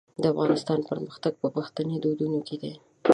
د افغانستان پرمختګ په پښتني دودونو کې دی.